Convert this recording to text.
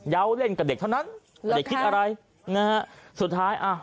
เล่นกับเด็กเท่านั้นไม่ได้คิดอะไรนะฮะสุดท้ายอ่ะ